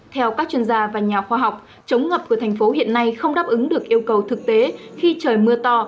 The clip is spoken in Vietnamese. theo các chuyên gia và nhà khoa học chống ngập của thành phố hiện nay không đáp ứng được yêu cầu thực tế khi trời mưa to